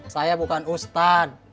saya bukan ustaz